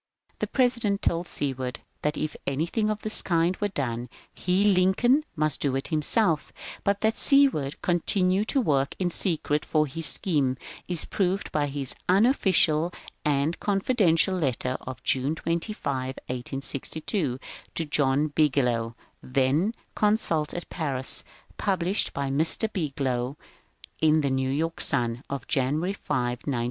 The President told Seward that if anything of this kind were done he (Lincoln) must do it himself ; but that Seward continued to work in secret for his scheme is proved by his *'*' unofficial '* and confidential letter of June 25, 1862, to John Bigelow, then consul at Paris, published by Mr. Bigelow in the " New York Sun " of January 5, 1902.